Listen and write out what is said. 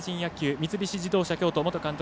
三菱自動車京都元監督